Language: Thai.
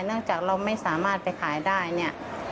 จากเราไม่สามารถไปขายได้เนี่ย